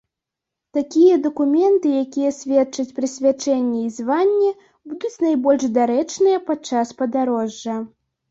Такія дакументы, якія сведчаць прысвячэнне і званне, будуць найбольш дарэчныя падчас падарожжа.